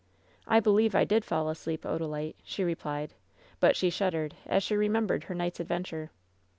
"I believe I did fall asleep, Odalite,*' she replied ; but she shuddered as she remembered her night's adventure.